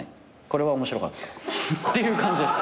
「これは面白かった」っていう感じです。